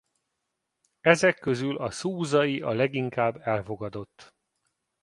Ezek közül a szúzai a leginkább elfogadott.